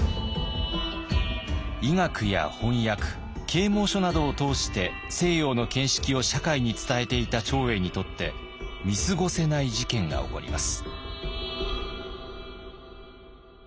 医学や翻訳啓もう書などを通して西洋の見識を社会に伝えていた長英にとって見過ごせない事件が起こります。